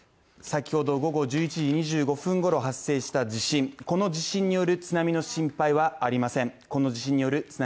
先ほど、午後１１時２５分ごろ発生した地震この地震による津波の心配はありません。